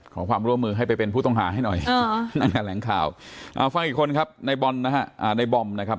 ขอความร่วมมือให้ไปเป็นผู้ต้องหาให้หน่อยแหลงข่าวฟังอีกคนครับในบอลนะฮะในบอมนะครับ